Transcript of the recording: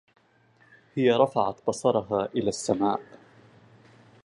هي رفعت بصرها إلى السماء.